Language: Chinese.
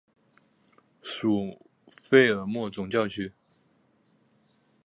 属费尔莫总教区。